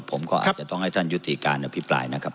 ผมก็อาจจะต้องให้ท่านยุติการอภิปรายนะครับ